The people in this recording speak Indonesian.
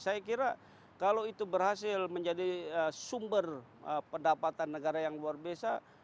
saya kira kalau itu berhasil menjadi sumber pendapatan negara yang luar biasa